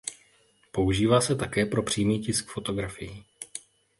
Používá se také pro přímý tisk fotografií.